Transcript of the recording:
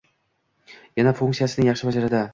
U yana funksiyasini yaxshi bajardi